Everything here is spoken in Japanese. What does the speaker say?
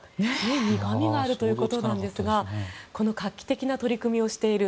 苦味があるということですがこの画期的な取り組みをしている。